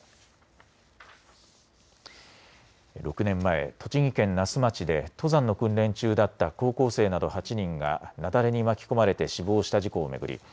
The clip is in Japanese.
６年前、栃木県那須町で登山の訓練中だった高校生など８人が雪崩に巻き込まれて死亡した事故を巡り